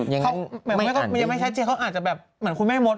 ยังไม่อ่านได้ยังไม่ใช่เจียงเขาอาจจะแบบเหมือนคุณแม่มด